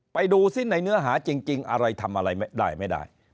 ไปดูซิในเนื้อหาจริงอะไรทำอะไรได้ไม่ได้